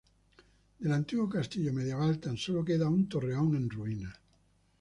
Del antiguo castillo medieval tan sólo queda un torreón en ruinas.